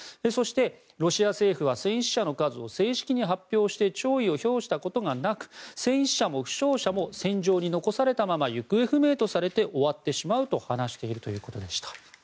そしてロシア政府は戦死者の数を正式に発表して弔意を表したことがなく戦死者も負傷者も戦場に残されたまま行方不明とされて終わってしまうと話しているということでした。